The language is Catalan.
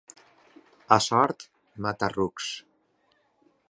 A Sort, mata-rucs.